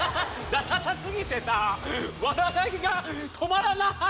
ダサ過ぎて笑いが止まらない。